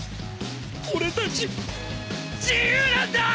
俺たち自由なんだー！